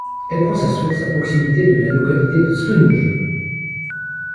Elle prend sa source à proximité de la localité de Slunj.